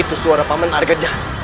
itu suara paman harganya